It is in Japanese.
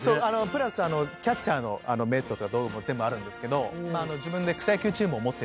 プラスキャッチャーのメットとか道具も全部あるんですけど自分で草野球チームを持ってるんで。